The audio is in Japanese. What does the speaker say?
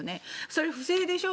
それ、不正でしょ？